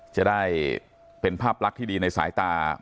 จะได้เป็นภาพลักษณ์ที่ดีในสายตา